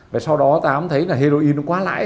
và sau đó tám thấy là heroin quá lãi